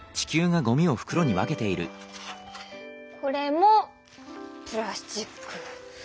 これもプラスチック。